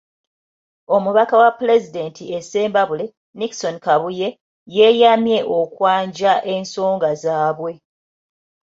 Omubaka wa Pulezidenti e Ssembabule, Nickson Kabuye, yeeyamye okwanja ensonga zaabwe.